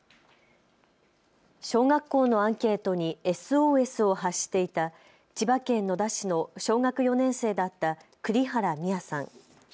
小学校のアンケートにＳＯＳを発していた千葉県野田市の小学４年生だった栗原心愛さん。